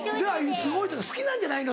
すごい好きなんじゃないの？